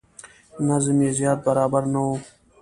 نظم یې زیات برابر نه و.